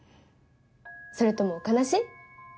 それとも悲しい？